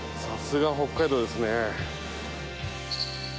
さすが北海道ですね。